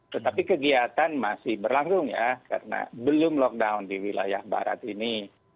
tetapi kegiatan masih berlangsung ya karena belum lockdown di wilayah barat ini